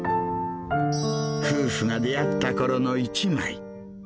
夫婦が出会ったころの一枚。